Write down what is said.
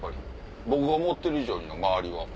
僕が思ってる以上に周りは。